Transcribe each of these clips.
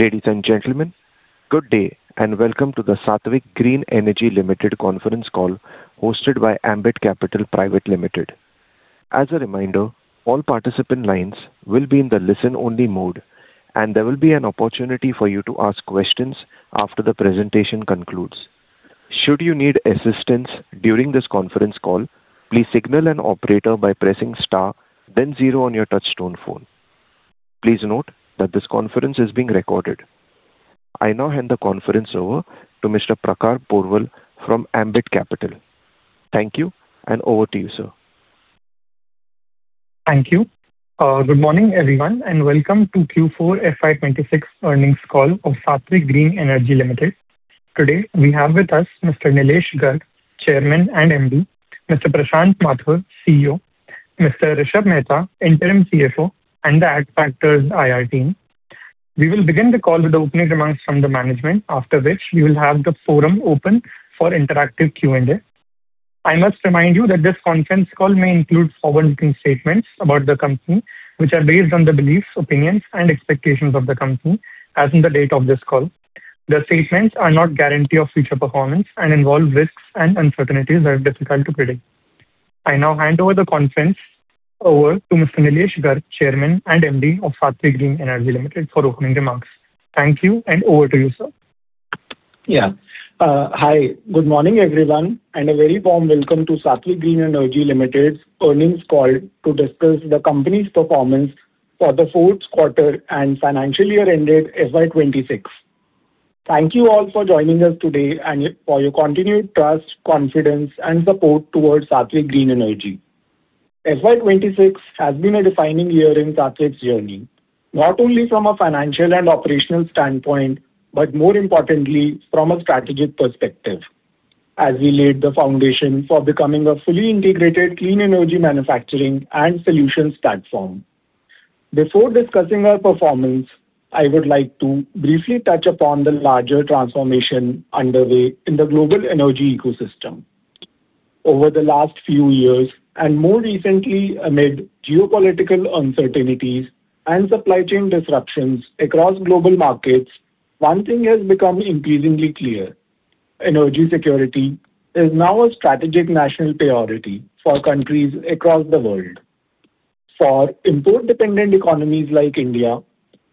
Ladies and gentlemen, good day, and welcome to the Saatvik Green Energy Limited Conference Call hosted by Ambit Capital Private Limited. As a reminder, all participant lines will be in the listen only mode, and there will be an opportunity for you to ask questions after the presentation concludes. Should you need assistance during this conference call, please signal an operator by pressing star then zero on your touchtone phone. Please note that this conference is being recorded. I now hand the conference over to Mr. Prakhar Porwal from Ambit Capital. Thank you, and over to you, sir. Thank you, good morning, everyone, and welcome to Q4 FY 2026 earnings call of Saatvik Green Energy Limited. Today we have with us Mr. Neelesh Garg, Chairman and MD, Mr. Prashant Mathur, CEO, Mr. Rishabh Mehta, Interim CFO, and the Adfactors IR team. We will begin the call with opening remarks from the management, after which we will have the forum open for interactive Q&A. I must remind you that this conference call may include forward-looking statements about the company, which are based on the beliefs, opinions, and expectations of the company as in the date of this call. The statements are not guarantee of future performance and involve risks and uncertainties that are difficult to predict. I now hand over the conference over to Mr. Neelesh Garg, Chairman and MD of Saatvik Green Energy Limited, for opening remarks. Thank you, and over to you, sir. Hi, good morning, everyone, and a very warm welcome to Saatvik Green Energy Limited's earnings call to discuss the company's performance for the fourth quarter and financial year ended FY 2026. Thank you all for joining us today and for your continued trust, confidence, and support towards Saatvik Green Energy. FY 2026 has been a defining year in Saatvik's journey, not only from a financial and operational standpoint, but more importantly from a strategic perspective, as we laid the foundation for becoming a fully integrated clean energy manufacturing and solutions platform. Before discussing our performance, I would like to briefly touch upon the larger transformation underway in the global energy ecosystem. Over the last few years, more recently amid geopolitical uncertainties and supply chain disruptions across global markets, one thing has become increasingly clear. Energy security is now a strategic national priority for countries across the world. For import dependent economies like India,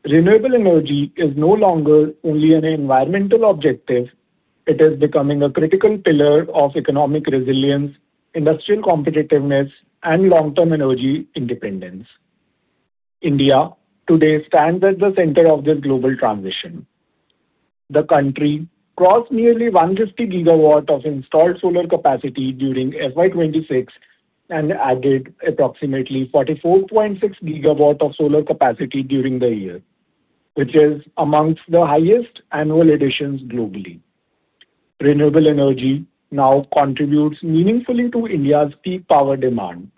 renewable energy is no longer only an environmental objective. It is becoming a critical pillar of economic resilience, industrial competitiveness, and long-term energy independence. India today stands at the center of this global transition. The country crossed nearly 150 GW of installed solar capacity during FY 2026 and added approximately 44.6 GW of solar capacity during the year, which is amongst the highest annual additions globally. Renewable energy now contributes meaningfully to India's peak power demand,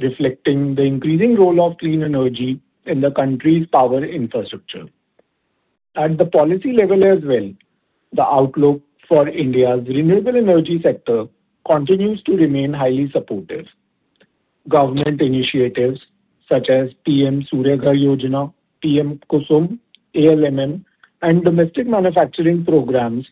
reflecting the increasing role of clean energy in the country's power infrastructure. At the policy level as well, the outlook for India's renewable energy sector continues to remain highly supportive. Government initiatives such as PM Surya Ghar Yojana, PM-KUSUM, ALMM, and domestic manufacturing programs,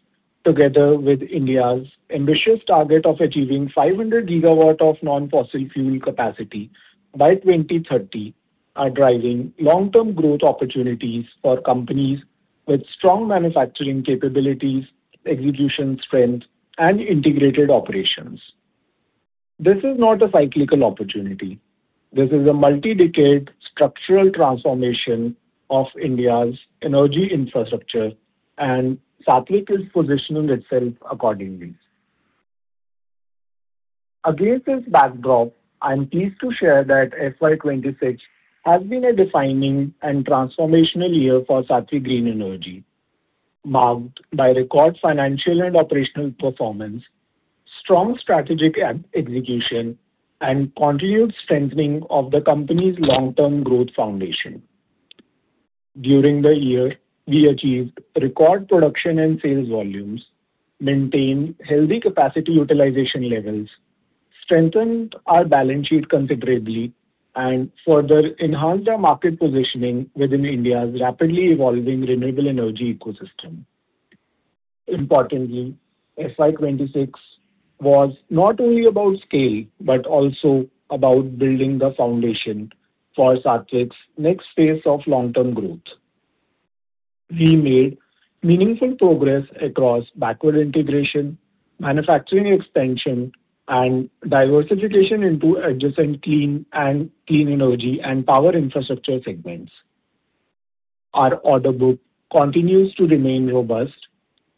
together with India's ambitious target of achieving 500 GW of non-fossil-fuel capacity by 2030, are driving long-term growth opportunities for companies with strong manufacturing capabilities, execution strength, and integrated operations. This is not a cyclical opportunity. This is a multi-decade structural transformation of India's energy infrastructure, and Saatvik is positioning itself accordingly. Against this backdrop, I'm pleased to share that FY 2026 has been a defining and transformational year for Saatvik Green Energy, marked by record financial and operational performance, strong strategic execution, and continued strengthening of the company's long-term growth foundation. During the year, we achieved record production and sales volumes, maintained healthy capacity utilization levels, strengthened our balance sheet considerably, and further enhanced our market positioning within India's rapidly evolving renewable energy ecosystem. Importantly, FY 2026 was not only about scale, but also about building the foundation for Saatvik's next phase of long-term growth. We made meaningful progress across backward integration, manufacturing expansion, and diversification into adjacent clean energy and power infrastructure segments. Our order book continues to remain robust,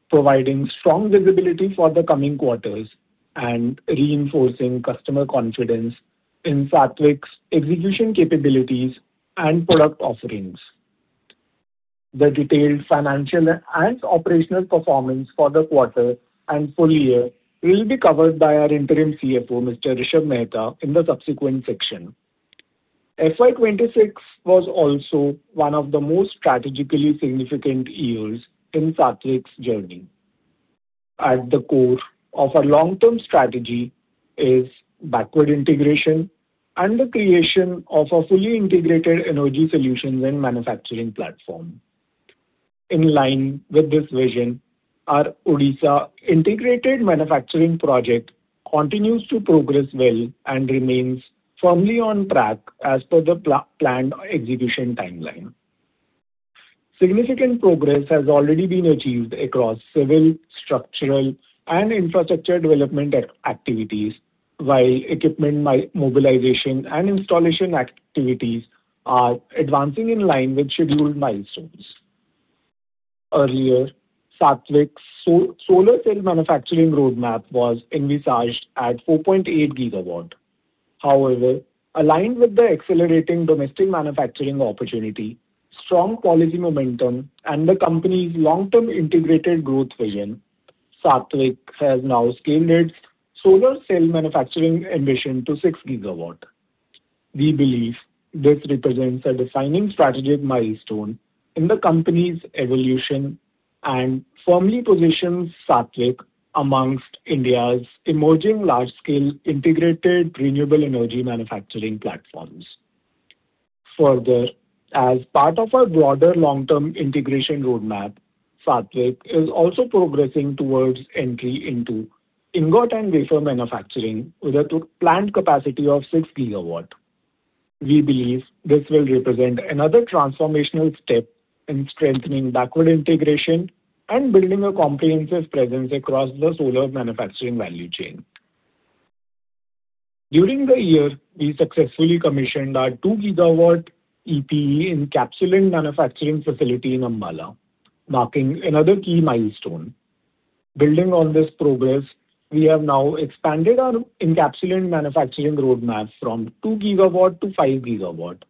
providing strong visibility for the coming quarters and reinforcing customer confidence in Saatvik's execution capabilities and product offerings. The detailed financial and operational performance for the quarter and full year will be covered by our Interim CFO, Mr. Rishabh Mehta, in the subsequent section. FY 2026 was also one of the most strategically significant years in Saatvik's journey. At the core of our long-term strategy is backward integration and the creation of a fully integrated energy solutions and manufacturing platform. In line with this vision, our Odisha integrated manufacturing project continues to progress well and remains firmly on track as per the planned execution timeline. Significant progress has already been achieved across civil, structural, and infrastructure development activities, while equipment mobilization and installation activities are advancing in line with scheduled milestones. Earlier, Saatvik's solar cell manufacturing roadmap was envisaged at 4.8 GW. However, aligned with the accelerating domestic manufacturing opportunity, strong policy momentum, and the company's long-term integrated growth vision, Saatvik has now scaled its solar cell manufacturing ambition to 6 GW. We believe this represents a defining strategic milestone in the company's evolution and firmly positions Saatvik amongst India's emerging large-scale integrated renewable energy manufacturing platforms. Further, as part of our broader long-term integration roadmap, Saatvik is also progressing towards entry into ingot and wafer manufacturing with a planned capacity of 6 GW. We believe this will represent another transformational step in strengthening backward integration and building a comprehensive presence across the solar manufacturing value chain. During the year, we successfully commissioned our 2 GW EPE encapsulant manufacturing facility in Ambala, marking another key milestone. Building on this progress, we have now expanded our encapsulant manufacturing roadmap from 2 GW-5 GW,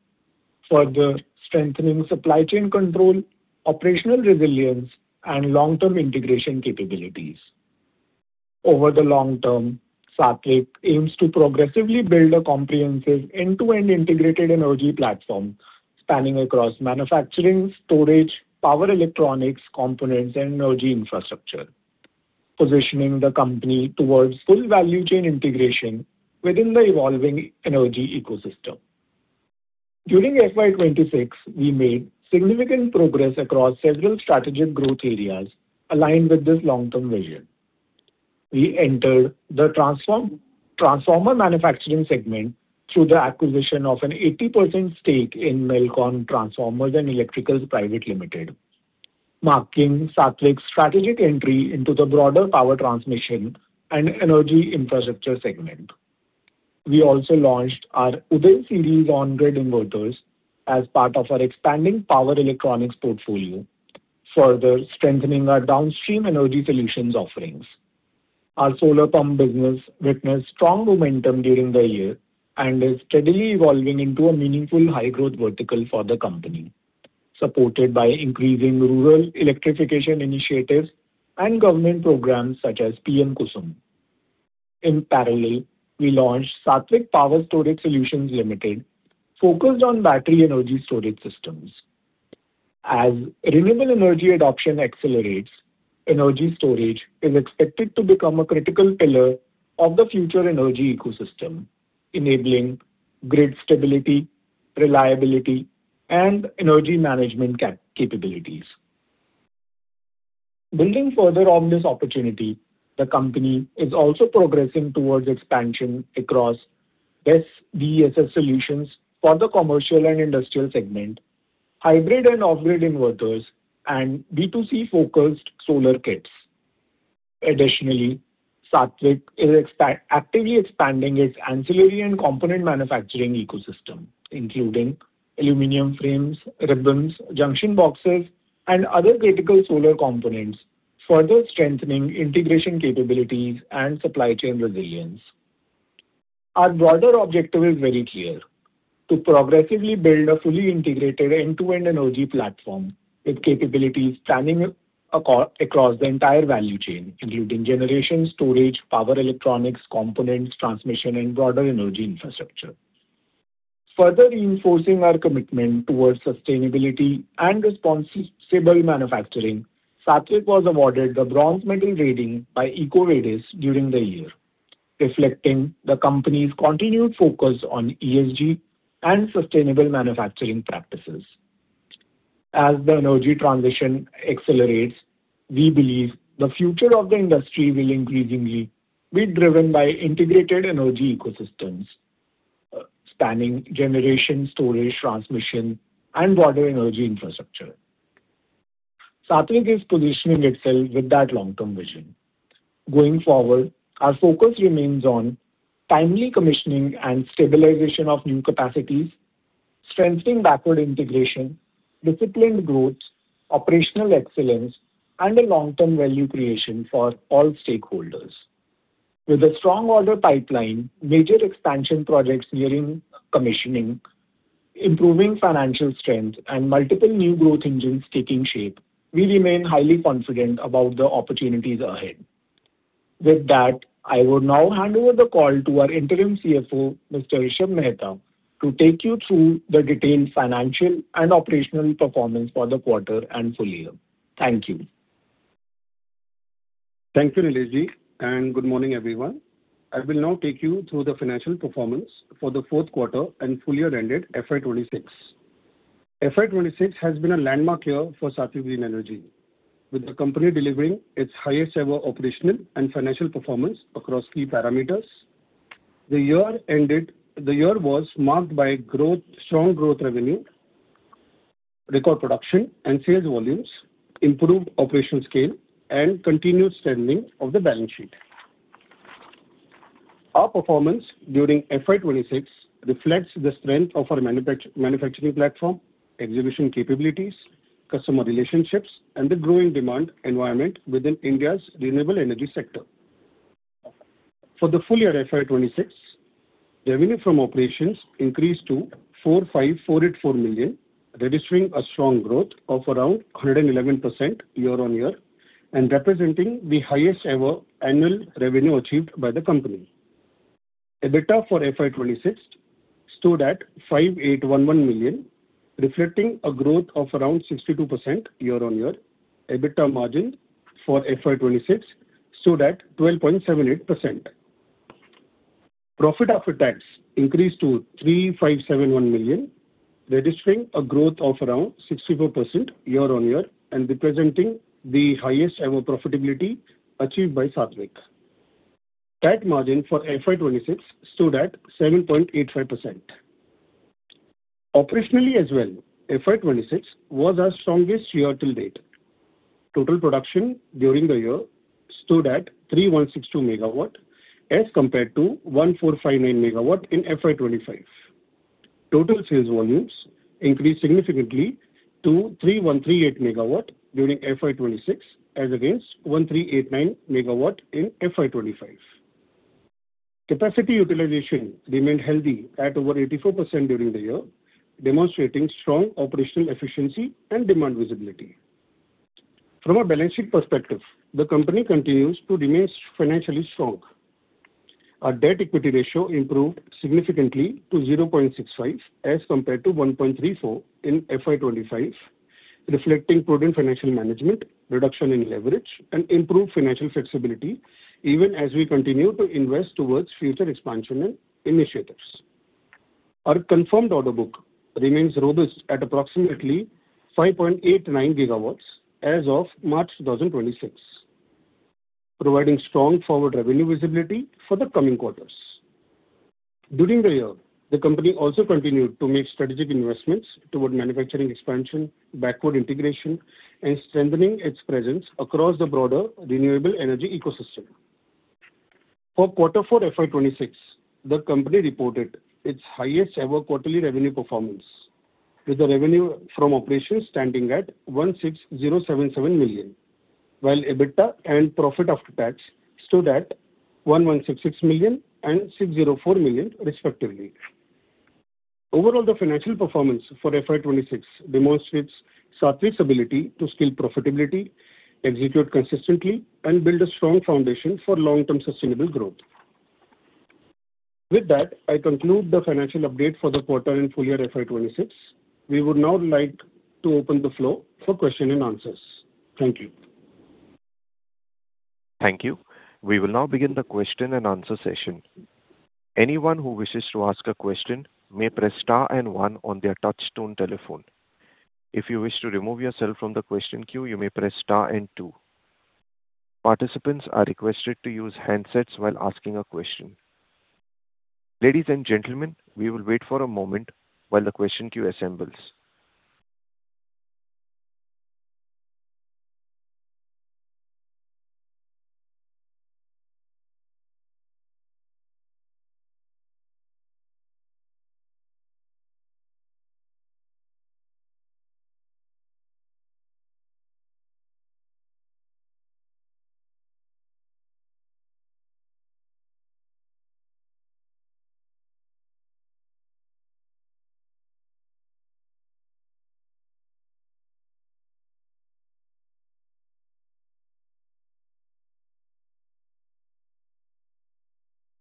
further strengthening supply chain control, operational resilience, and long-term integration capabilities. Over the long term, Saatvik aims to progressively build a comprehensive end-to-end integrated energy platform spanning across manufacturing, storage, power electronics, components, and energy infrastructure, positioning the company towards full value chain integration within the evolving energy ecosystem. During FY 2026, we made significant progress across several strategic growth areas aligned with this long-term vision. We entered the transformer manufacturing segment through the acquisition of an 80% stake in Melcon Transformers and Electricals Private Limited, marking Saatvik's strategic entry into the broader power transmission and energy infrastructure segment. We also launched our UDAY Series on-grid inverters as part of our expanding power electronics portfolio, further strengthening our downstream energy solutions offerings. Our solar pump business witnessed strong momentum during the year and is steadily evolving into a meaningful high-growth vertical for the company, supported by increasing rural electrification initiatives and government programs such as PM-KUSUM. In parallel, we launched Saatvik Power Storage Solutions Limited, focused on battery energy storage systems. As renewable energy adoption accelerates, energy storage is expected to become a critical pillar of the future energy ecosystem, enabling grid stability, reliability, and energy management capabilities. Building further on this opportunity, the company is also progressing towards expansion across BESS solutions for the commercial and industrial segment, hybrid and off-grid inverters, and B2C-focused solar kits. Additionally, Saatvik is actively expanding its ancillary and component manufacturing ecosystem, including aluminum frames, ribbons, junction boxes, and other critical solar components, further strengthening integration capabilities and supply chain resilience. Our broader objective is very clear: to progressively build a fully integrated end-to-end energy platform with capabilities spanning across the entire value chain, including generation, storage, power electronics, components, transmission, and broader energy infrastructure. Further reinforcing our commitment towards sustainability and responsible manufacturing, Saatvik was awarded the Bronze Medal rating by EcoVadis during the year, reflecting the company's continued focus on ESG and sustainable manufacturing practices. As the energy transition accelerates, we believe the future of the industry will increasingly be driven by integrated energy ecosystems spanning generation, storage, transmission, and broader energy infrastructure. Saatvik is positioning itself with that long-term vision. Going forward, our focus remains on timely commissioning and stabilization of new capacities, strengthening backward integration, disciplined growth, operational excellence, and a long-term value creation for all stakeholders. With a strong order pipeline, major expansion projects nearing commissioning, improving financial strength, and multiple new growth engines taking shape, we remain highly confident about the opportunities ahead. With that, I will now hand over the call to our interim CFO, Mr. Rishabh Mehta, to take you through the detailed financial and operational performance for the quarter and full year. Thank you. Thank you, Neelesh Ji, and good morning, everyone. I will now take you through the financial performance for the fourth quarter and full year ended FY 2026. FY 2026 has been a landmark year for Saatvik Green Energy, with the company delivering its highest-ever operational and financial performance across key parameters. The year was marked by strong growth revenue, record production and sales volumes, improved operation scale, and continued strengthening of the balance sheet. Our performance during FY 2026 reflects the strength of our manufacturing platform, execution capabilities, customer relationships, and the growing demand environment within India's renewable energy sector. For the full year FY 2026, revenue from operations increased to 45,484 million, registering a strong growth of around 111% year-on-year and representing the highest-ever annual revenue achieved by the company. EBITDA for FY 2026 stood at 5,811 million, reflecting a growth of around 62% year-on-year. EBITDA margin for FY 2026 stood at 12.78%. Profit after tax increased to 3,571 million, registering a growth of around 64% year-on-year and representing the highest-ever profitability achieved by Saatvik. Pat margin for FY 2026 stood at 7.85%. Operationally as well, FY 2026 was our strongest year to date. Total production during the year stood at 3,162 MW as compared to 1,459 MW in FY 2025. Total sales volumes increased significantly to 3,138 MW during FY 2026, as against 1,389 MW in FY 2025. Capacity utilization remained healthy at over 84% during the year, demonstrating strong operational efficiency and demand visibility. From a balance sheet perspective, the company continues to remain financially strong. Our debt equity ratio improved significantly to 0.65 as compared to 1.34 in FY 2025, reflecting prudent financial management, reduction in leverage, and improved financial flexibility, even as we continue to invest towards future expansion initiatives. Our confirmed order book remains robust at approximately 5.89 GW as of March 2026, providing strong forward revenue visibility for the coming quarters. During the year, the company also continued to make strategic investments toward manufacturing expansion, backward integration, and strengthening its presence across the broader renewable energy ecosystem. Fourth quarter FY 2026, the company reported its highest-ever quarterly revenue performance, with the revenue from operations standing at 16,077 million, while EBITDA and profit after tax stood at 1,166 million and 604 million respectively. Overall, the financial performance for FY 2026 demonstrates Saatvik's ability to scale profitability, execute consistently, and build a strong foundation for long-term sustainable growth. With that, I conclude the financial update for the quarter and full year FY 2026. We would now like to open the floor for question and answers. Thank you. Thank you, we will now begin the question-and-answer session. Anyone who wishes to ask a question may press star and one on their touch tone telephone. If you wish to remove yourself from the question queue, you may press star and two. Participants are requested to use handsets while asking a question. Ladies and gentlemen, we will wait for a moment while the question queue assembles.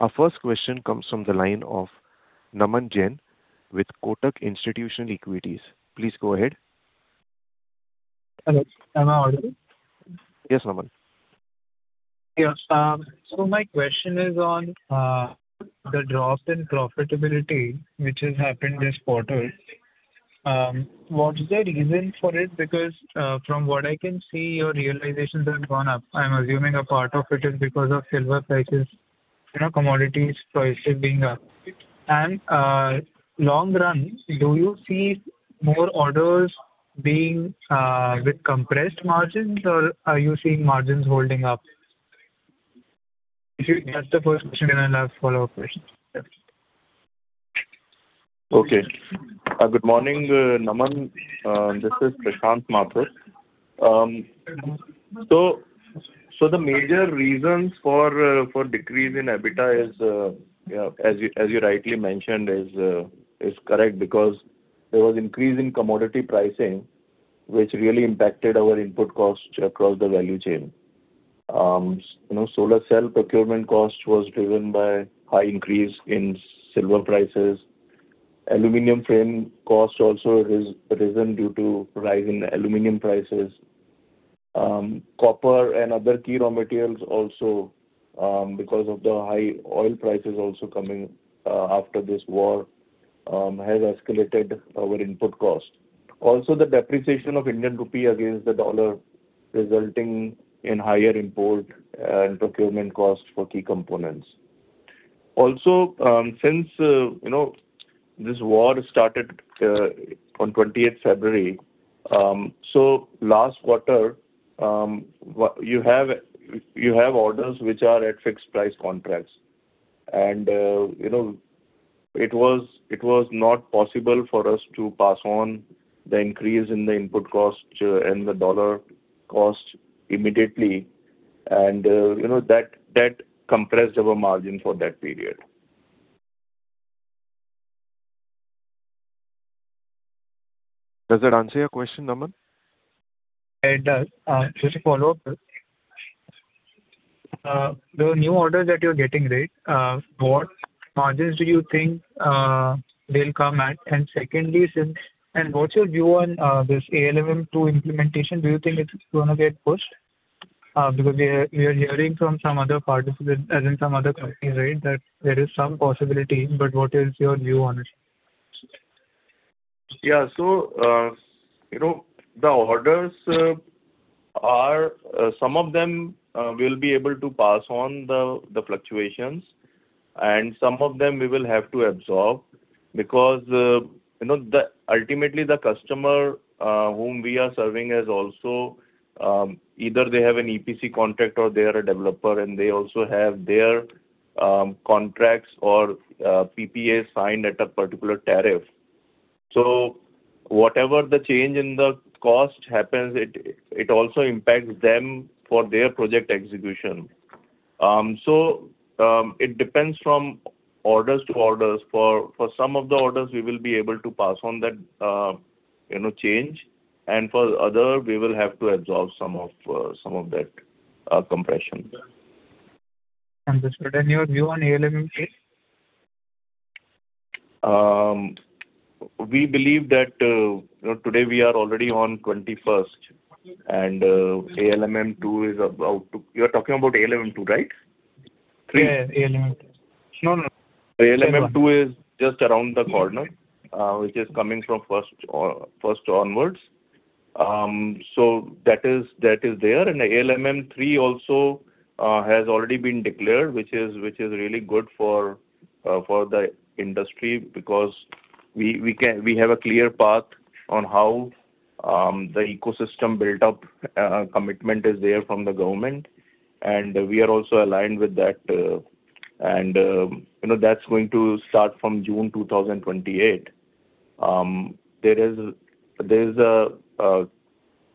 Our first question comes from the line of Naman Jain with Kotak Institutional Equities, please go ahead. Hello, am I audible? Yes, Naman. Yes, my question is on the drop in profitability, which has happened this quarter. What's the reason for it? From what I can see, your realizations have gone up. I'm assuming a part of it is because of silver prices, commodities pricing being up. Long run, do you see more orders being with compressed margins, or are you seeing margins holding up? That's the first question. I'll have follow-up questions. Good morning, Naman. This is Prashant Mathur. The major reasons for decrease in EBITDA as you rightly mentioned is correct, because there was increase in commodity pricing, which really impacted our input cost across the value chain. Solar cell procurement cost was driven by high increase in silver prices. Aluminum frame cost also risen due to rise in aluminum prices. Copper and other key raw materials also, because of the high oil prices also coming after this war, has escalated our input cost. The depreciation of Indian rupee against the dollar resulting in higher import and procurement costs for key components. Since this war started on 20th February, last quarter, you have orders which are at fixed price contracts. It was not possible for us to pass on the increase in the input cost and the dollar cost immediately. That compressed our margin for that period. Does that answer your question, Naman? It does, just a follow-up. The new orders that you're getting, right, what margins do you think they'll come at? Secondly, what's your view on this ALMM 2 implementation? Do you think it's going to get pushed? We are hearing from some other participants, as in some other companies, that there is some possibility. What is your view on it? Yeah, the orders, some of them we'll be able to pass on the fluctuations and some of them we will have to absorb because, ultimately, the customer whom we are serving has also, either they have an EPC contract or they are a developer, and they also have their contracts or PPAs signed at a particular tariff. Whatever the change in the cost happens, it also impacts them for their project execution. It depends from orders to orders. For some of the orders, we will be able to pass on that change. For other, we will have to absorb some of that compression. Understood, your view on ALMM 3? We believe that, today we are already on 21st, and ALMM 2 is about to. You're talking about ALMM 2, right? Yeah, ALMM 2. No, no. ALMM 2 is just around the corner, which is coming from first onwards. That is there, the ALMM 3 also has already been declared, which is really good for the industry because we have a clear path on how the ecosystem built-up commitment is there from the government, and we are also aligned with that. That's going to start from June 2028. There's a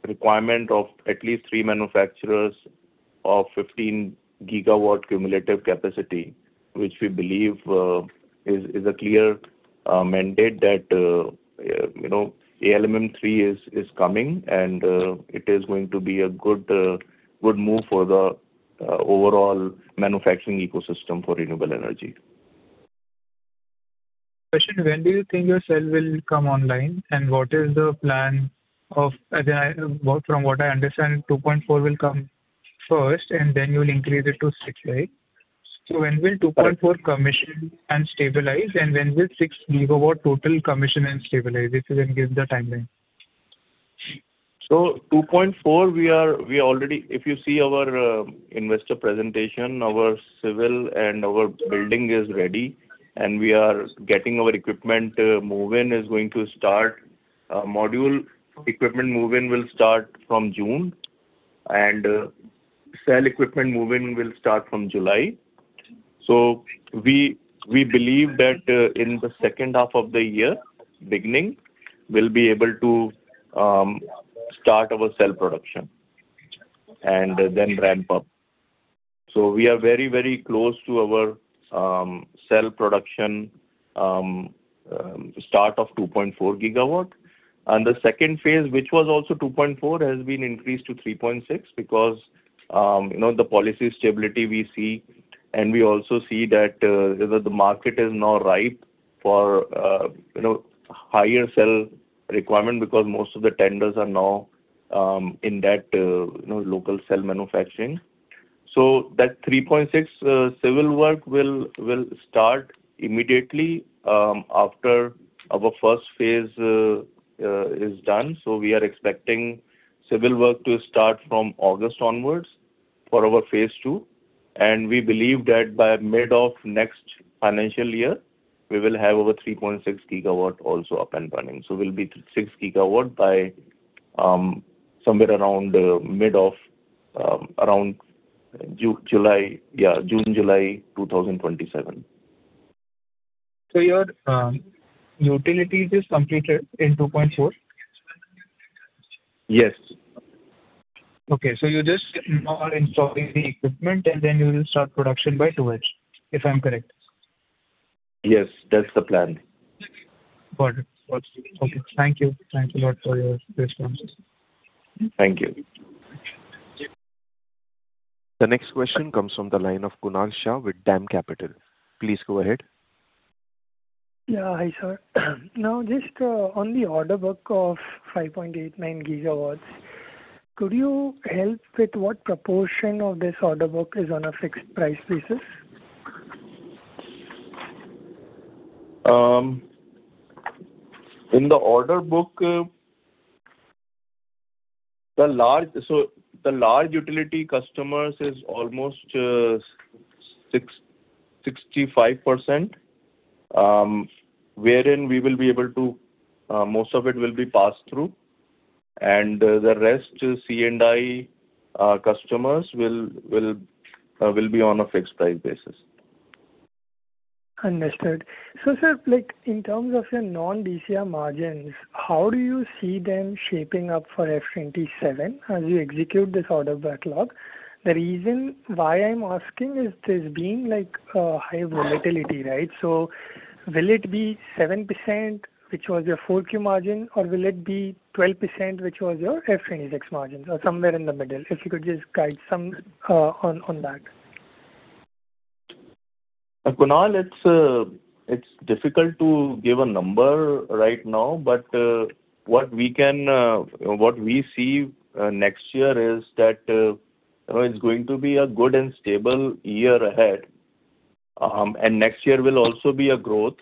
requirement of at least three manufacturers of 15 GW cumulative capacity, which we believe is a clear mandate that ALMM 3 is coming, and it is going to be a good move for the overall manufacturing ecosystem for renewable energy. When do you think your cell will come online? From what I understand, 2.4 GW will come first, and then you'll increase it to 6 GW, right? When will 2.4 GW commission and stabilize, and when will 6 GW total commission and stabilize? If you can give the timeline. 2.4 GW, if you see our investor presentation, our civil and our building is ready, and we are getting our equipment. Move-in is going to start. Module equipment move-in will start from June, and cell equipment move-in will start from July. We believe that in the second half of the year, beginning, we'll be able to start our cell production and then ramp up. We are very close to our cell production start of 2.4 GW. The second phase, which was also 2.4 GW, has been increased to 3.6 GW because the policy stability we see, and we also see that the market is now ripe for higher cell requirement because most of the tenders are now in that local cell manufacturing. That 3.6 GW civil work will start immediately after our first phase is done. We are expecting civil work to start from August onwards for our phase II. We believe that by mid of next financial year, we will have our 3.6 GW also up and running. We'll be 6 GW by somewhere around July. Yeah, June, July 2027. Your utilities is completed in 2.4 GW? Yes. Okay, you're just now installing the equipment, and then you will start production by 2H, if I'm correct? Yes, that's the plan. Got it, okay. Thank you, thanks a lot for your responses. Thank you. The next question comes from the line of Kunal Shah with DAM Capital. Please go ahead. Yeah, hi, sir. Just on the order book of 5.89 GW, could you help with what proportion of this order book is on a fixed price basis? In the order book, the large utility customers is almost 65%, wherein most of it will be passed through, and the rest C&I customers will be on a fixed price basis. Understood, sir, in terms of your non-DCR margins, how do you see them shaping up for FY 2027 as you execute this order backlog? The reason why I'm asking is there's been a high volatility, right? Will it be 7%, which was your 4Q margin, or will it be 12%, which was your FY 2026 margin, or somewhere in the middle? If you could just guide some on that. Kunal, it's difficult to give a number right now. What we see next year is that it's going to be a good and stable year ahead. Next year will also be a growth,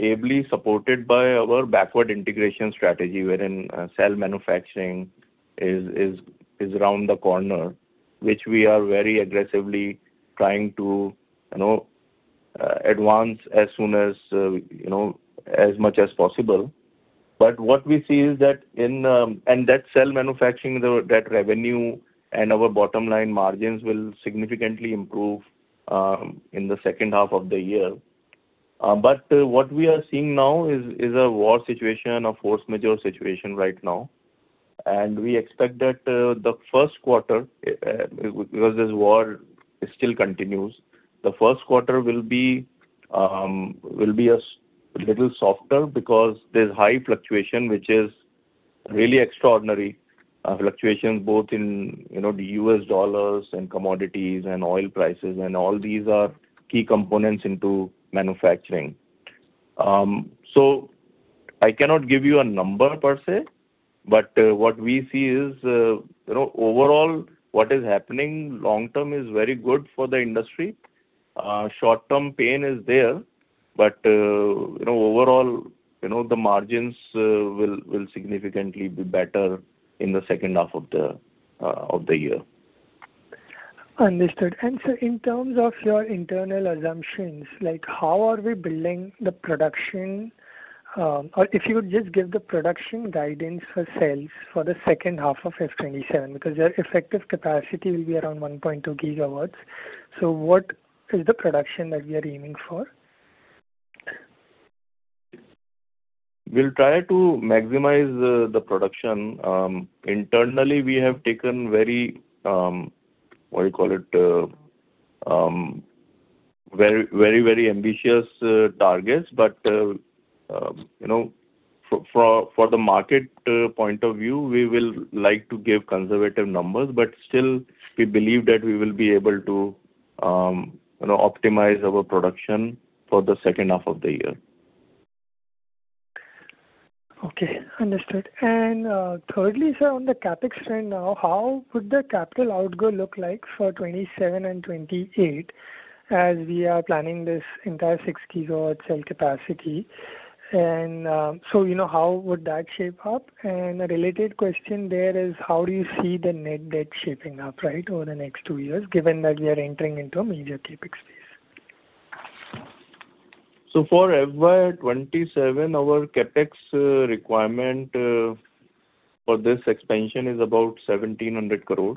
ably supported by our backward integration strategy, wherein cell manufacturing is around the corner. Which we are very aggressively trying to advance as much as possible. That cell manufacturing, that revenue and our bottom-line margins will significantly improve in the second half of the year. What we are seeing now is a war situation, a force majeure situation right now. We expect that the first quarter, because this war still continues, the first quarter will be a little softer because there's high fluctuation, which is really extraordinary fluctuation, both in the U.S. dollars and commodities and oil prices and all these are key components into manufacturing. I cannot give you a number per se, but what we see is, overall, what is happening long term is very good for the industry. Short-term pain is there, but overall, the margins will significantly be better in the second half of the year. Understood, sir, in terms of your internal assumptions, how are we building the production? If you would just give the production guidance for sales for the second half of FY 2027, because your effective capacity will be around 1.2 GW. What is the production that we are aiming for? We'll try to maximize the production. Internally, we have taken very ambitious targets. For the market point of view, we will like to give conservative numbers, but still, we believe that we will be able to optimize our production for the second half of the year. Okay, understood. Thirdly, sir, on the CapEx trend now, how would the capital outlay look like for FY 2027 and FY 2028 as we are planning this entire 6 GW cell capacity? How would that shape up? A related question there is, how do you see the net debt shaping up, right? Over the next two years, given that we are entering into a major CapEx phase. For FY 2027, our CapEx requirement for this expansion is about 1,700 crore.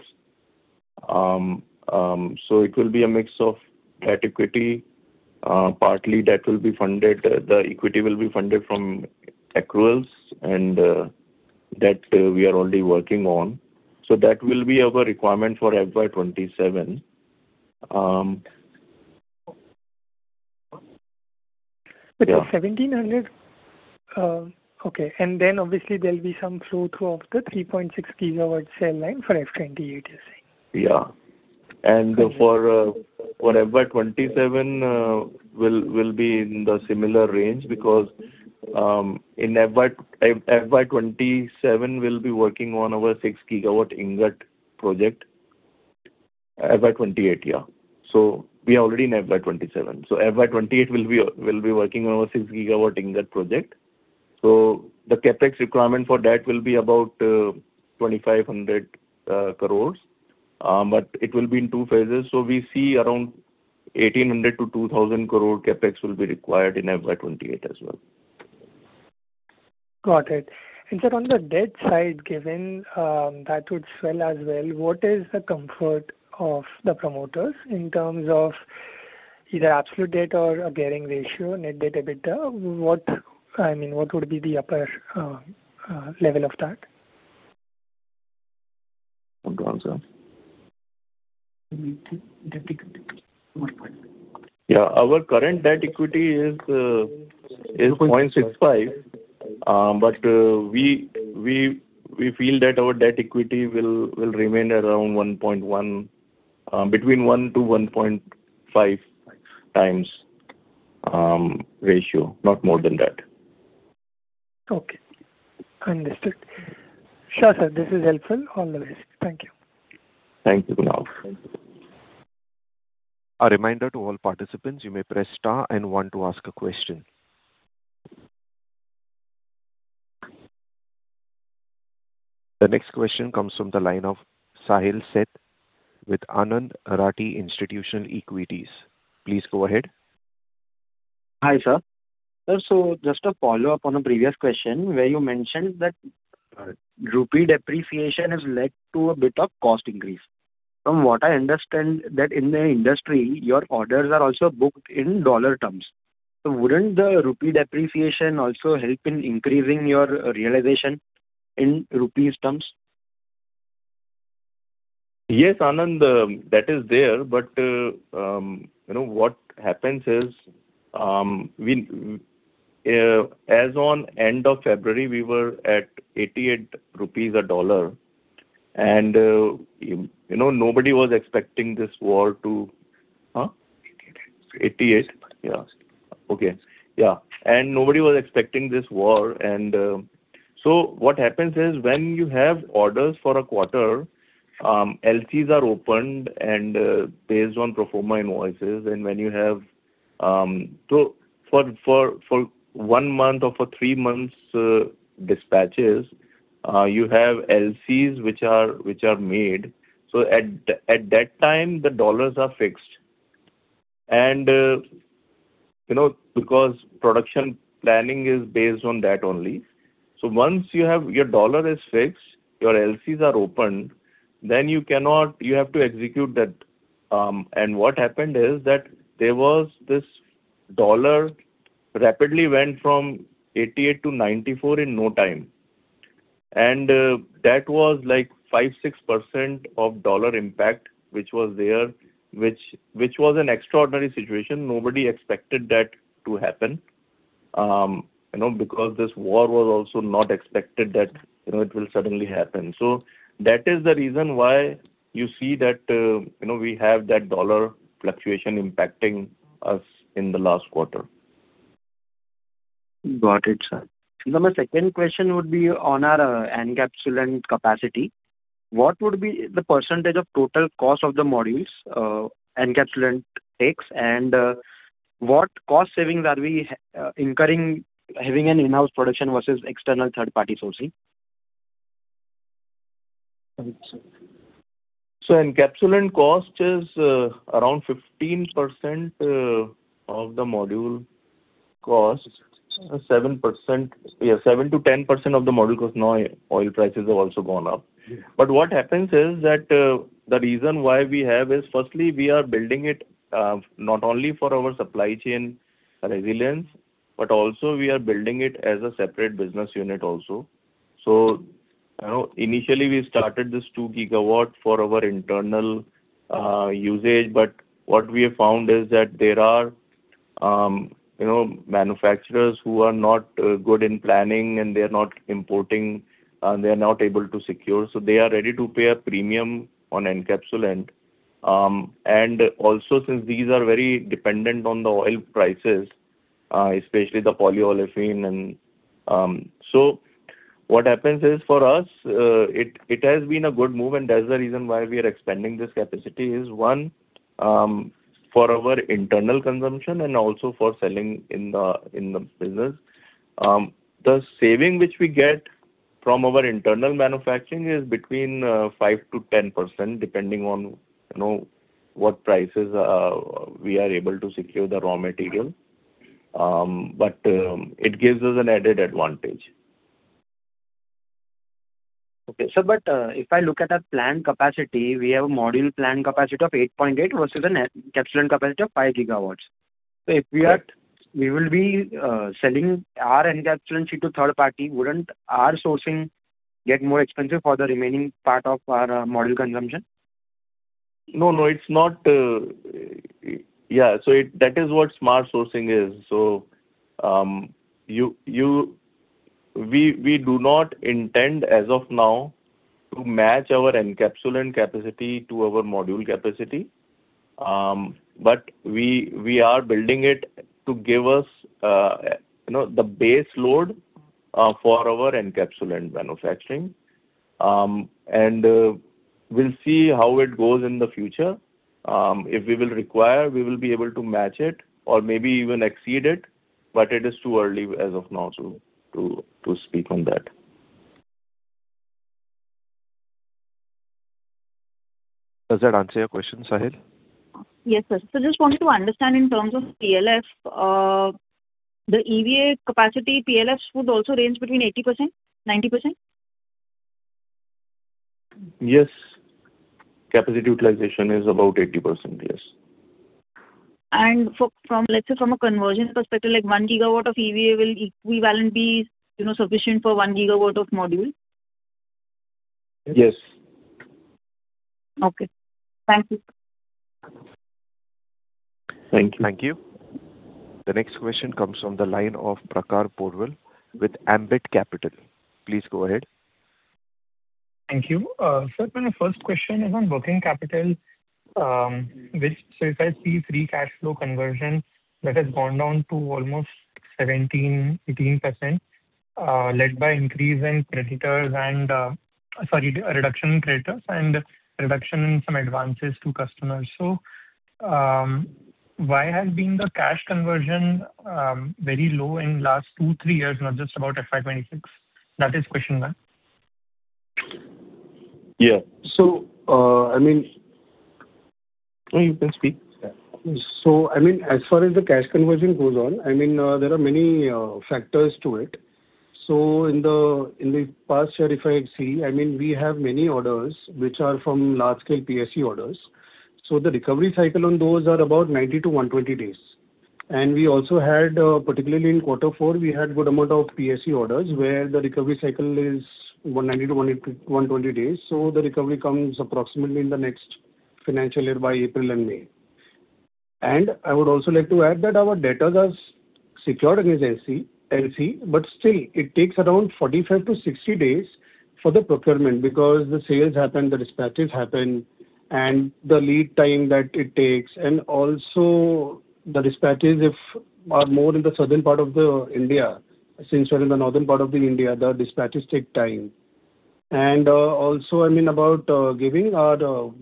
It will be a mix of debt, equity. Partly, the equity will be funded from accruals, and that we are already working on. That will be our requirement for FY 2027. Okay, obviously, there'll be some flow through of the 3.6 GW cell line for FY 2028, you're saying? Yeah, for FY 2027, will be in the similar range because in FY 2027, we'll be working on our 6 GW ingot project, FY 2028. We are already in FY 2027. FY 2028, we'll be working on our 6 GW ingot project. The CapEx requirement for that will be about 2,500 crore. It will be in two phases. We see around 1,800-2,000 crore CapEx will be required in FY 2028 as well. Got it, sir, on the debt side, given that would swell as well, what is the comfort of the promoters in terms of either absolute debt or a gearing ratio, net debt EBITDA. What would be the upper level of that? Want to answer? Yeah, our current debt equity is 0.65. We feel that our debt equity will remain around 1.1x, between 1x-1.5x ratio, not more than that. Okay, understood. Sure, sir, this is helpful. All the best, thank you. Thank you, Kunal. A reminder to all participants, you may press star and one to ask a question. The next question comes from the line of Sahil Sheth with Anand Rathi Institutional Equities. Please go ahead. Hi, sir. Sir, just a follow-up on a previous question where you mentioned that rupee depreciation has led to a bit of cost increase. From what I understand, that in the industry, your orders are also booked in dollar terms. Wouldn't the rupee depreciation also help in increasing your realization in rupees terms? Yes, Anand, that is there. What happens is, as on end of February, we were at 88 rupees a dollar, and nobody was expecting this war to huh? INR 88. INR 88? Yeah, okay. Yeah, nobody was expecting this war. What happens is, when you have orders for a quarter, LCs are opened and based on pro forma invoices. When you have for one month or for three months dispatches, you have LCs which are made. At that time, the dollars are fixed. Because production planning is based on that only. Once your dollar is fixed, your LCs are opened, then you have to execute that. What happened is that this dollar rapidly went from 88-94 in no time. That was like 5%-6% of dollar impact which was there, which was an extraordinary situation. Nobody expected that to happen, because this war was also not expected that it will suddenly happen. That is the reason why you see that we have that dollar fluctuation impacting us in the last quarter. Got it, sir. My second question would be on our encapsulant capacity. What would be the percentage of total cost of the modules encapsulant takes, and what cost savings are we incurring having an in-house production versus external third-party sourcing? Encapsulant cost is around 15% of the module cost. 7%-10% of the module cost, now oil prices have also gone up. What happens is that the reason why we have is, firstly, we are building it not only for our supply chain resilience, but also, we are building it as a separate business unit also. Initially we started this 2 GW for our internal usage, but what we have found is that there are manufacturers who are not good in planning and they're not importing, they're not able to secure. They are ready to pay a premium on encapsulant. Also, since these are very dependent on the oil prices, especially the polyolefin. What happens is for us, it has been a good move, and that's the reason why we are expanding this capacity is, 1 GW, for our internal consumption and also for selling in the business. The saving which we get from our internal manufacturing is between 5%-10%, depending on what prices we are able to secure the raw material. But it gives us an added advantage. Okay, sir, if I look at our planned capacity, we have a module planned capacity of 8.8 GW versus an encapsulant capacity of 5 GW. If we will be selling our encapsulant to third party, wouldn't our sourcing get more expensive for the remaining part of our module consumption? No, that is what smart sourcing is. We do not intend as of now to match our encapsulant capacity to our module capacity. We are building it to give us the base load for our encapsulant manufacturing. We'll see how it goes in the future. If we will require, we will be able to match it or maybe even exceed it, but it is too early as of now to speak on that. Does that answer your question, Sahil? Yes, sir. Just wanted to understand in terms of PLF. The EVA capacity PLFs would also range between 80%, 90%? Yes, capacity utilization is about 80%. Yes. Let's say from a conversion perspective, 1 GW of EVA will equivalent be sufficient for 1 GW of module? Yes. Okay, thank you. Thank you. Thank you, the next question comes from the line of Prakhar Porwal with Ambit Capital, please go ahead. Thank you, sir, my first question is on working capital, which so far sees free cash flow conversion that has gone down to almost 17%-18%, led by increase in creditors, and sorry, reduction in creditors and reduction in some advances to customers. Why has been the cash conversion very low in last two, three years, not just about FY 2026? That is question one. Yeah, I mean. No, you can speak. As far as the cash conversion goes on, there are many factors to it. In the past year, if I see, we have many orders which are from large scale PSU orders. We also had, particularly in quarter four, we had good amount of PSU orders where the recovery cycle is 190-120 days. The recovery comes approximately in the next financial year by April and May. I would also like to add that our debtors are secured against LC. Still, it takes around 45-60 days for the procurement because the sales happen, the dispatches happen, and the lead time that it takes, and also the dispatches are more in the southern part of India. Since we're in the northern part of India, the dispatches take time. Also, about giving our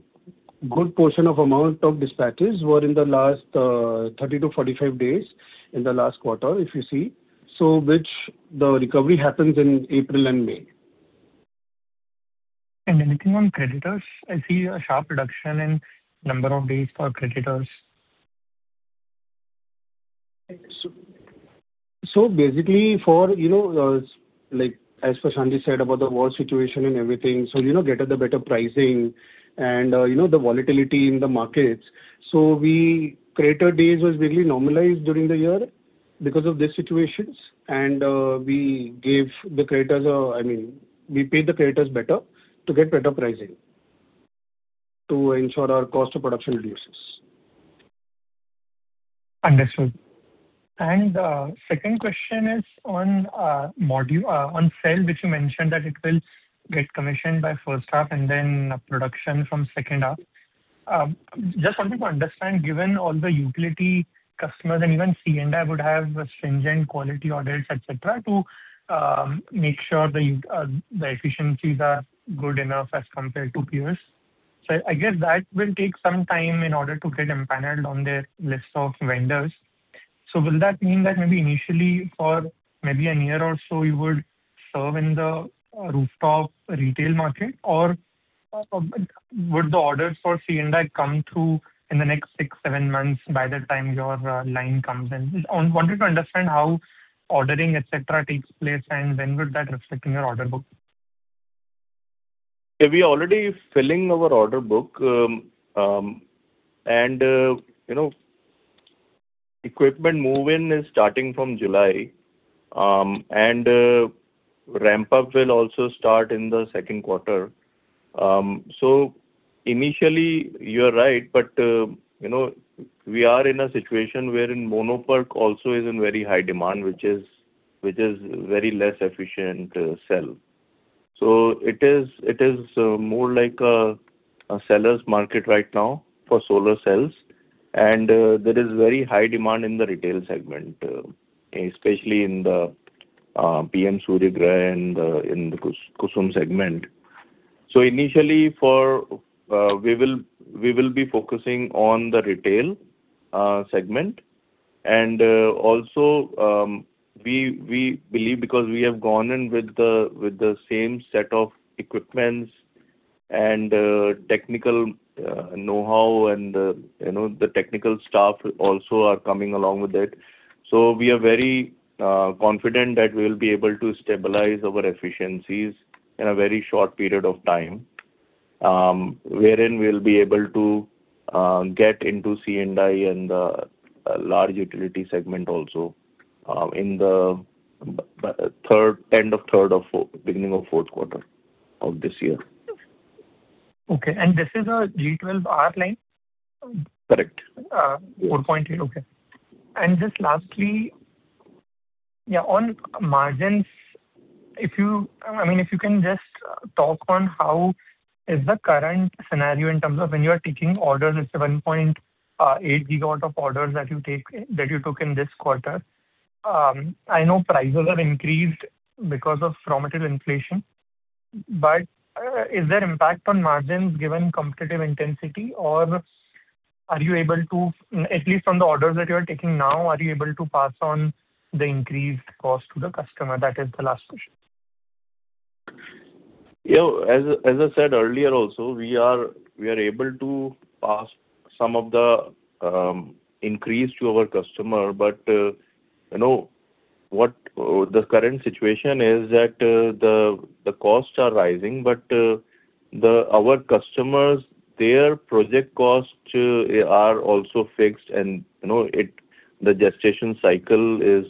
good portion of amount of dispatches were in the last 30-45 days in the last quarter, if you see. Which the recovery happens in April and May. Anything on creditors? I see a sharp reduction in number of days for creditors. Basically, as Prashant Ji said about the war situation and everything, get at the better pricing and the volatility in the markets. Creditor days was really normalized during the year because of these situations, and we paid the creditors better to get better pricing to ensure our cost of production reduces. Understood, the second question is on cell, which you mentioned that it will get commissioned by first half and then production from second half. Just wanted to understand, given all the utility customers and even C&I would have stringent quality audits, et cetera, to make sure the efficiencies are good enough as compared to peers. I guess that will take some time in order to get empaneled on their list of vendors. Will that mean that maybe initially for maybe one year or so you would serve in the rooftop retail market? Or would the orders for C&I come through in the next six, seven months by the time your line comes in? Wanted to understand how ordering, et cetera, takes place, and when would that reflect in your order book. We already filling our order book. Equipment move-in is starting from July. Ramp up will also start in the second quarter. Initially, you're right, but we are in a situation wherein mono-PERC also is in very high demand, which is very less efficient cell. It is more like a seller's market right now for solar cells. There is very high demand in the retail segment, especially in the PM Surya Ghar and in the Kusum segment. Initially, we will be focusing on the retail segment. Also, we believe because we have gone in with the same set of equipment's and technical know-how, and the technical staff also are coming along with it. We are very confident that we'll be able to stabilize our efficiencies in a very short period of time, wherein we'll be able to get into C&I and the large utility segment also in the end of third or beginning of fourth quarter of this year. Okay, this is a G12R line? Correct. 4.8 GW, okay. Just lastly, yeah, on margins, if you can just talk on how is the current scenario in terms of when you are taking orders at 7.8 GW of orders that you took in this quarter. I know prices have increased because of raw material inflation, but is there impact on margins given competitive intensity? Are you able to, at least from the orders that you are taking now, are you able to pass on the increased cost to the customer? That is the last question. As I said earlier also, we are able to pass some of the increase to our customer. You know, what the current situation is that the costs are rising, but our customers, their project costs are also fixed, and the gestation cycle is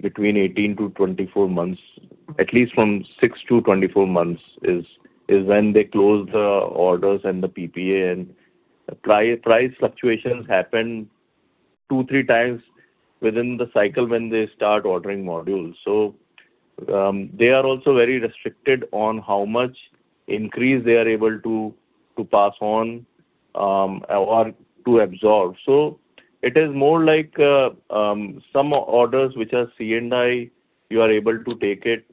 between 18-24 months. At least from 6-4 months is when they close the orders and the PPA, price fluctuations happen 2x, 3x within the cycle when they start ordering modules. They are also very restricted on how much increase they are able to pass on or to absorb. It is more like some orders which are C&I, you are able to take it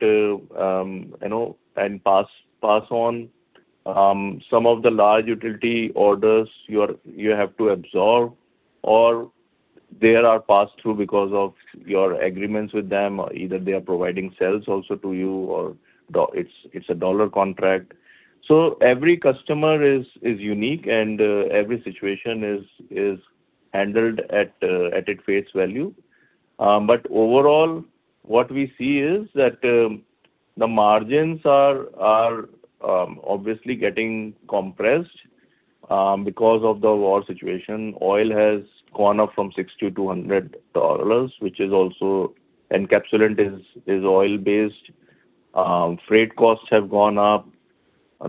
and pass on. Some of the large utility orders, you have to absorb, or they are passed through because of your agreements with them, or either they are providing cells also to you, or it's a dollar contract. Every customer is unique and every situation is handled at its face value. Overall, what we see is that the margins are obviously getting compressed because of the war situation. Oil has gone up from $6-$200, and encapsulant is oil-based. Freight costs have gone up.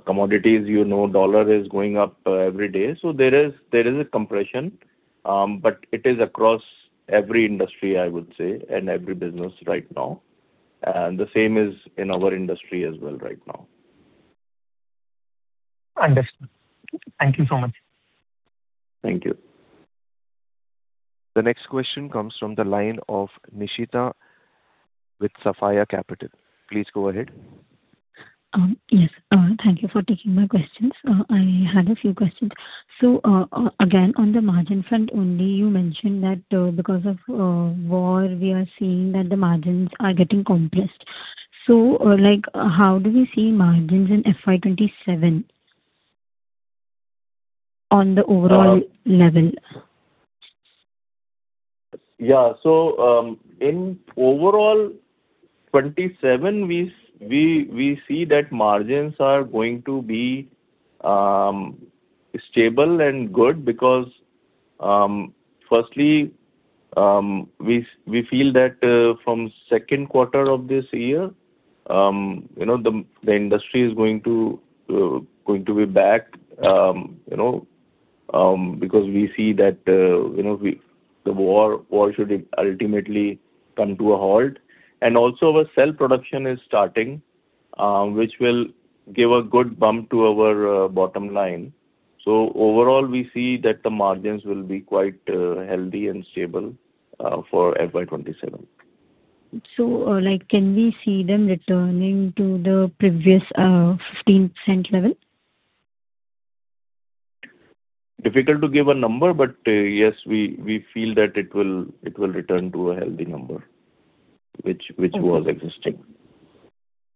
Commodities, dollar is going up every day. There is a compression, but it is across every industry, I would say, and every business right now. The same is in our industry as well right now. Understood, thank you so much. Thank you. The next question comes from the line of Nishita with Sapphire Capital. Please go ahead. Yes, thank you for taking my questions. I had a few questions. Again, on the margin front only, you mentioned that because of war, we are seeing that the margins are getting compressed. How do we see margins in FY 2027 on the overall level? In overall FY 2027, we see that margins are going to be stable and good because, firstly, we feel that from second quarter of this year, the industry is going to be back, because we see that the war should ultimately come to a halt. Also, our cell production is starting, which will give a good bump to our bottom line. Overall, we see that the margins will be quite healthy and stable for FY 2027. Can we see them returning to the previous 15% level? Difficult to give a number, but yes, we feel that it will return to a healthy number which was existing.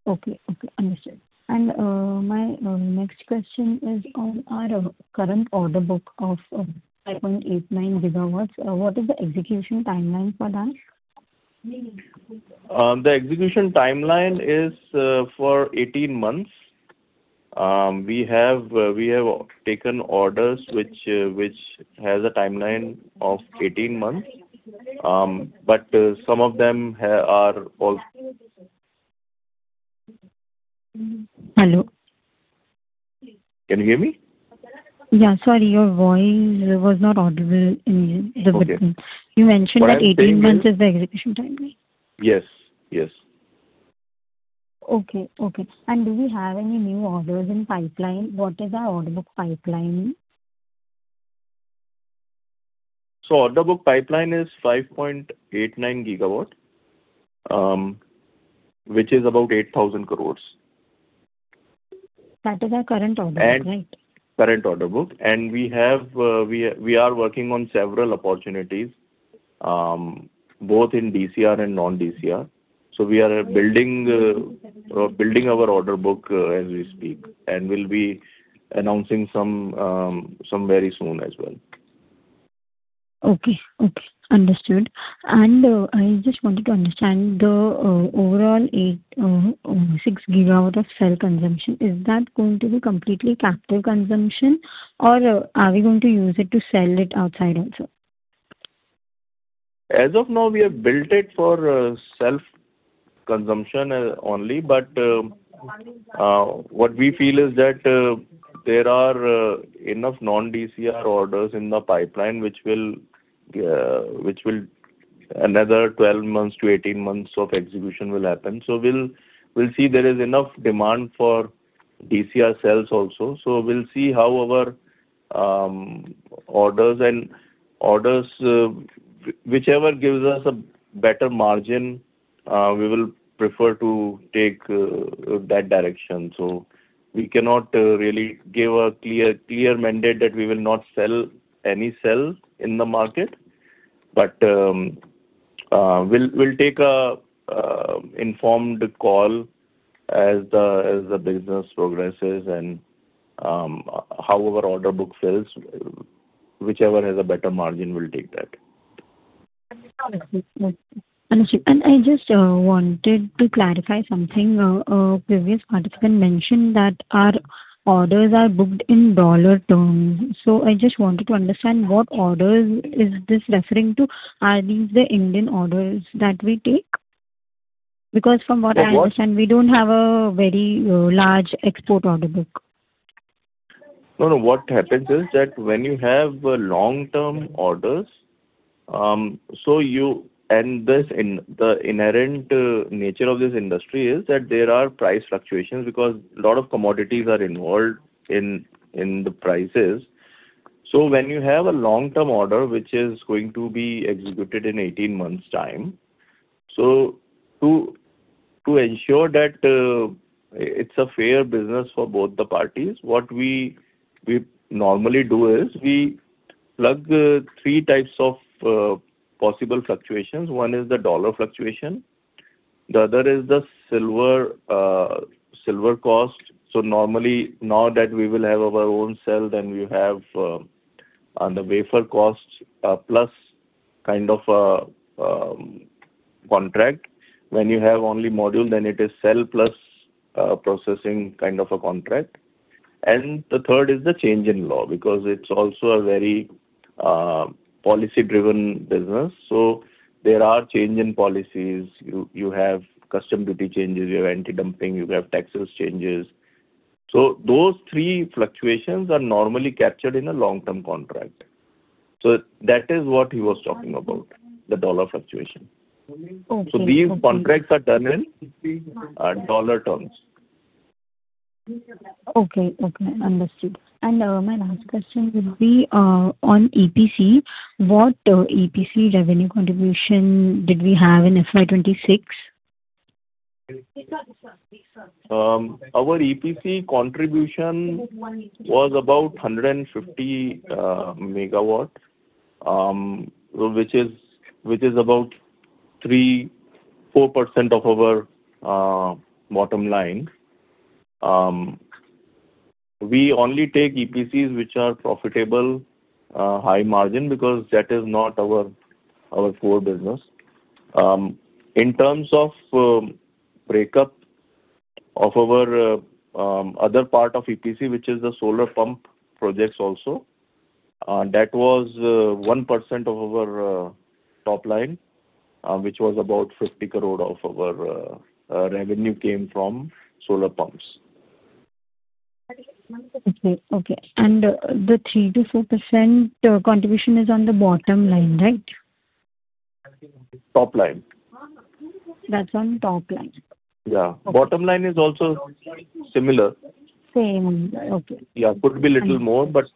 Okay, understood. My next question is on our current order book of 5.89 GW. What is the execution timeline for that? The execution timeline is for 18 months. We have taken orders which has a timeline of 18 months. Hello? Can you hear me? Yeah, sorry, your voice was not audible in the headphones. Okay. You mentioned that 18 months is the execution timeline. Yes. Okay, do we have any new orders in pipeline? What is our order book pipeline? Order book pipeline is 5.89 GW, which is about 8,000 crores. That is our current order book, right? Current order book, and we are working on several opportunities, both in DCR and non-DCR. We are building our order book as we speak, and we'll be announcing some very soon as well. Okay, understood. I just wanted to understand the overall 6 GW of cell consumption. Is that going to be completely captive consumption or are we going to use it to sell it outside also? What we feel is that there are enough non-DCR orders in the pipeline, another 12 months to 18 months of execution will happen, we'll see. There is enough demand for DCR cells also. We'll see how our orders, whichever gives us a better margin, we will prefer to take that direction. We cannot really give a clear mandate that we will not sell any cells in the market. We'll take a informed call as the business progresses and how our order book fills. Whichever has a better margin, we'll take that. Understood, I just wanted to clarify something. A previous participant mentioned that our orders are booked in dollar terms. I just wanted to understand what orders is this referring to. Are these the Indian orders that we take? From what I understand, we don't have a very large export order book. No, what happens is that when you have long-term orders, and the inherent nature of this industry is that there are price fluctuations because a lot of commodities are involved in the prices. When you have a long-term order, which is going to be executed in 18 month's time, so to ensure that it's a fair business for both the parties, what we normally do is we plug three types of possible fluctuations. One is the dollar fluctuation, the other is the silver cost. Normally, now that we will have our own cell, then we have on the wafer cost plus kind of a contract. When you have only module, then it is cell plus processing kind of a contract. The third is the change in law, because it's also a very policy-driven business, there are change in policies. You have custom duty changes, you have anti-dumping, you have taxes changes. Those three fluctuations are normally captured in a long-term contract. That is what he was talking about, the dollar fluctuation. Okay. These contracts are done in dollar terms. Okay, understood. My last question would be on EPC. What EPC revenue contribution did we have in FY 2026? Our EPC contribution was about 150 MW, which is about 3%-4% of our bottom line. We only take EPCs which are profitable, high margin, because that is not our core business. In terms of breakup of our other part of EPC, which is the solar pump projects also, that was 1% of our top line, which was about 50 crore of our revenue came from solar pumps. Okay, the 3%-4% contribution is on the bottom line, right? Top line. That's on top line. Yeah, bottom line is also similar. Same, okay. Yeah, could be little more, but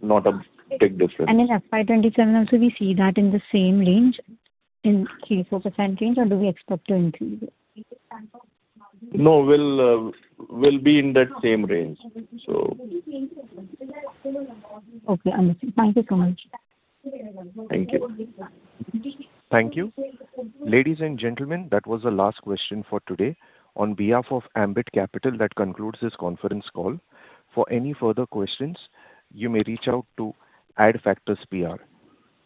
not a big difference. In FY 2027 also, we see that in the same range, in 3%-4% range, or do we expect to increase it? No, we'll be in that same range. Okay, understood. Thank you so much. Thank you. Thank you, ladies and gentlemen, that was the last question for today. On behalf of Ambit Capital, that concludes this conference call. For any further questions, you may reach out to Adfactors PR.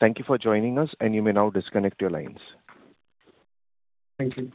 Thank you for joining us, and you may now disconnect your lines. Thank you.